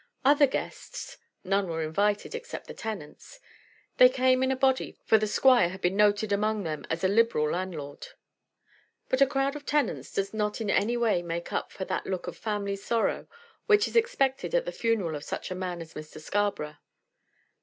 Other guests none were invited, except the tenants. They came in a body, for the squire had been noted among them as a liberal landlord. But a crowd of tenants does not in any way make up that look of family sorrow which is expected at the funeral of such a man as Mr. Scarborough.